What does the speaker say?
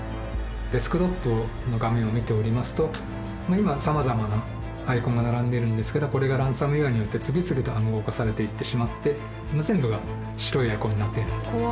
デスクトップの画面を見ておりますと今さまざまなアイコンが並んでいるんですけどこれがランサムウエアによって次々と暗号化されていってしまって全部が白いアイコンになっている。